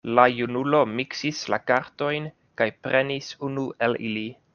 La junulo miksis la kartojn kaj prenis unu el ili.